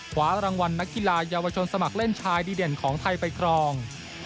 ขวารางวัลนักกีฬาเยาวชนสมัครเล่นชายดีเด่นของไทยไปครอง